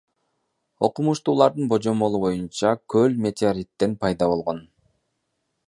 Окумуштуулардын божомолу боюнча көл метеориттен пайда болгон.